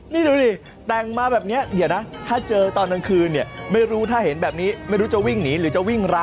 ไหนสิ่งศักดิ์สิทธิ์ที่คุณบอกไปจริงเหรอ